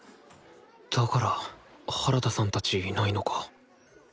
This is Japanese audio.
だから原田さんたちいないのか。